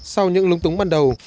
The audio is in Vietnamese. sau những lúng túng ban đầu